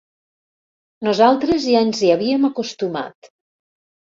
Nosaltres ja ens hi havíem acostumat.